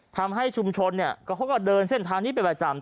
ทำให้ชุมชนเขาก็เดินเส้นทางนี้เป็นประจำ